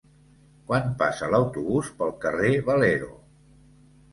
Quan passa l'autobús pel carrer Valero?